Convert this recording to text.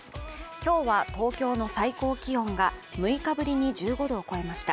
今日は、東京の最高気温が６日ぶりに１５度を超えました。